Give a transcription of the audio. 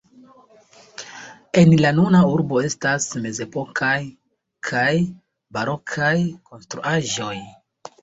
En la nuna urbo estas mezepokaj kaj barokaj konstruaĵoj.